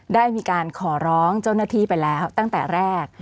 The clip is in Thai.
ได้มีการขอร้องเจ้าหน้าที่ไปแล้วตั้งแต่แรก